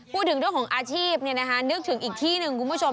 พูดถึงเรื่องของอาชีพนึกถึงอีกที่หนึ่งคุณผู้ชม